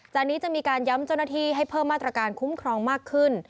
จากนี้จะมีการย้ำเจ้าหน้าที่ให้เพิ่มมาตรการคุ้มครองมากขึ้น